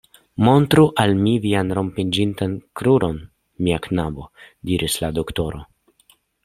Montru al mi vian rompiĝintan kruron, mia knabo, diris la doktoro.